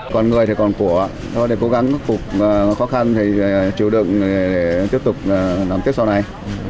còn người thì còn của để cố gắng cấp phục khó khăn thì chịu đựng để tiếp tục làm tiếp sau này